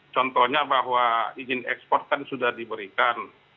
contohnya bahwa izin ekspor kan sudah diberikan